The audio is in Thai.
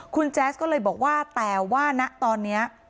คุณแจ๊สก็เลยบอกว่าแต่ว่านะตอนนี้